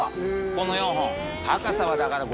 この４本。